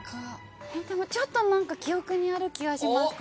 でもちょっと何か記憶にある気はします